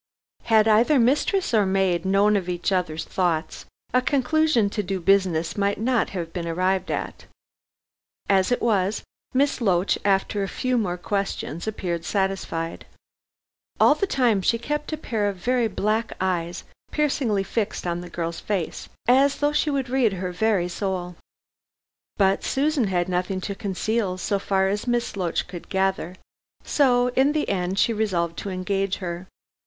Had either mistress or maid known of each other's thoughts, a conclusion to do business might not have been arrived at. As it was, Miss Loach, after a few more questions, appeared satisfied. All the time she kept a pair of very black eyes piercingly fixed on the girl's face, as though she would read her very soul. But Susan had nothing to conceal, so far as Miss Loach could gather, so in the end she resolved to engage her.